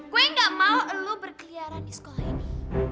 gue gak mau lo berkeliaran di sekolah ini